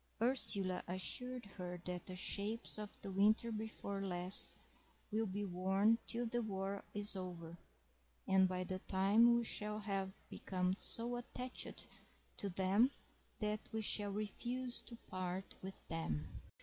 Ursula assured her that the shapes of the winter before last will be worn till the war is over, and by that time we shall have become so attached to them that we shall refuse to part with them.